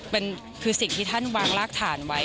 มันคือสิ่งที่ท่านวางรากฐานไว้